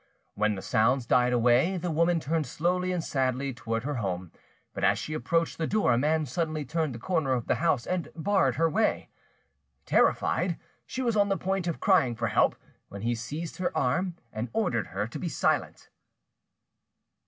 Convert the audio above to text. When the sounds died away, the woman turned slowly and sadly towards her home, but as she approached the door a man suddenly turned the corner of the house and barred her away. Terrified, she was on the point of crying for help, when he seized her arm and ordered her to be silent.